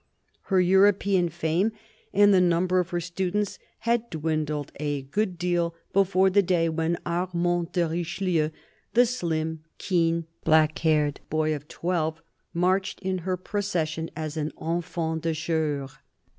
Her European fame and the number of her students had dwindled a good deal before the day when Armand de Richelieu, the slim, keen, black haired boy of twelve, marched in her procession as an enfant de chceur.